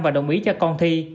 và đồng ý cho con thi